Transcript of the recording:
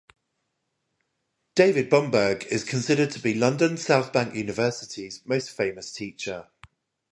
David Bomberg is considered to be London South Bank University's most famous teacher.